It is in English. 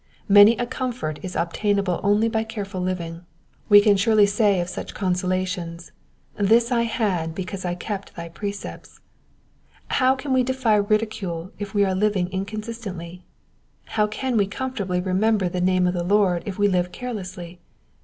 Many a comfort is obtainable only by careful living : we can surely say of such consolations, " This I had because I kept thy precepts." How can we defy ridicule if we are living inconsis tently ? how can we comfortably remember the name of the Lord if we live carelessly?